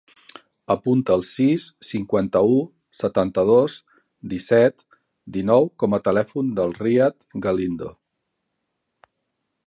Apunta el sis, cinquanta-u, setanta-dos, disset, dinou com a telèfon del Riad Galindo.